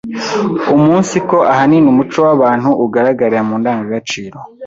umunsiko ahanini umuco w’abantu ugaragarira mu ndangagaciro